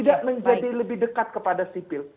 tidak menjadi lebih dekat kepada sipil